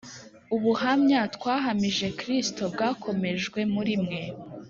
ubuhamya twahamije Kristo bwakomejwe muri mwe;